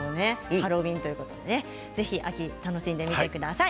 ハロウィーンということで秋を楽しんでください。